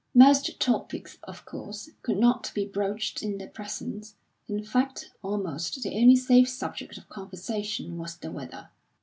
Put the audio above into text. Most topics, of course, could not be broached in their presence; in fact, almost the only safe subject of conversation was the weather.